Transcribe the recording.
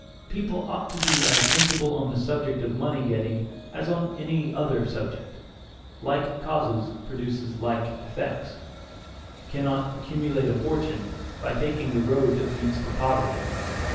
People ought to be as sensible on the subject of money getting as on any other subject. Like causes produce like effects. You cannot accumulate a fortune by taking the road that leads to poverty.